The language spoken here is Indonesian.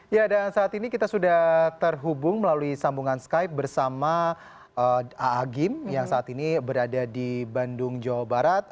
ya dan saat ini kita sudah terhubung melalui sambungan skype bersama ⁇ aagim ⁇ yang saat ini berada di bandung jawa barat